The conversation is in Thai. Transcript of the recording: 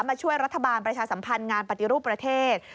มาช่วยรัฐบาลประชาสัมพันธ์งานปฏิรูปประเทศ